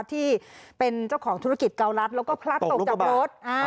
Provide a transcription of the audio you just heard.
ที่เป็นเจ้าของธุรกิจเกาลัดแล้วก็พลัดตกจากรถ